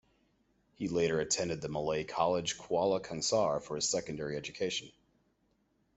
He later attended the Malay College Kuala Kangsar for his secondary education.